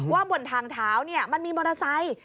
บนทางเท้ามันมีมอเตอร์ไซค์